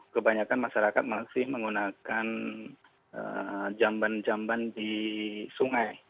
kebanyakan masyarakat masih menggunakan jamban jamban di sungai